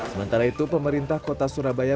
sementara itu pemerintah kota surabaya